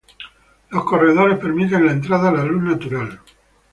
Los corredores permiten la entrada a la luz natural.